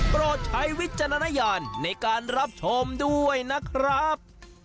โปรดใช้วิจารณญาณในการรับชมด้วยนะครับ